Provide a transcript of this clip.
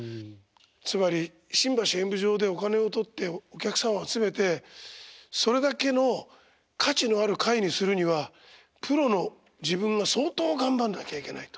つまり新橋演舞場でお金を取ってお客さんを集めてそれだけの価値のある会にするにはプロの自分が相当頑張んなきゃいけないと。